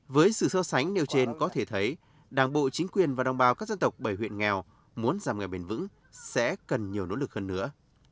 với sự so sánh nêu trên có thể thấy đảng bộ chính quyền và đồng bào các dân tộc bảy huyện nghèo muốn giảm nghèo bền vững sẽ cần nhiều nỗ lực hơn nữa